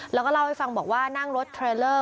แล้วก็เล่าให้ฟังบอกว่านั่งรถเทรลเลอร์